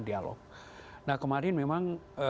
dialog nah kemarin memang